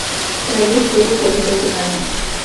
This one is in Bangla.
চাইলে শেভও করে ফেলতে পারেন।